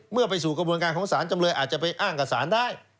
เมื่อไปสู่กระบวนการของศาลจำเลยอาจจะไปอ้างกับสารได้